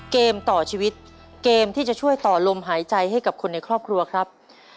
เกมต่อชีวิตเกมที่จะช่วยต่อลมหายใจให้กับคนในครอบครัวครับ